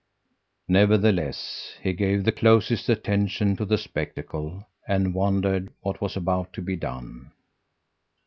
"Nevertheless he gave the closest attention to the spectacle, and wondered what was about to be done.